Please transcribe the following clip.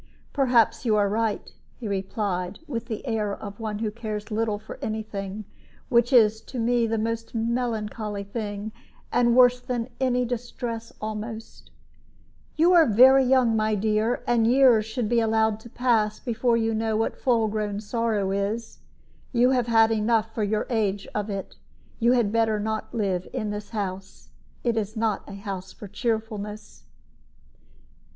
"Perhaps you are right," he replied, with the air of one who cares little for any thing, which is to me the most melancholy thing, and worse than any distress almost; "you are very young, my dear, and years should be allowed to pass before you know what full grown sorrow is. You have had enough, for your age, of it. You had better not live in this house; it is not a house for cheerfulness."